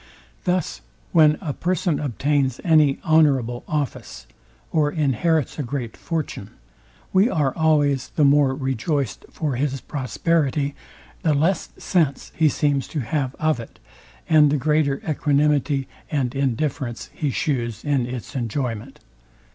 Thus when a person obtains any honourable office, or inherits a great fortune, we are always the more rejoiced for his prosperity, the less sense he seems to have of it, and the greater equanimity and indifference he shews in its enjoyment.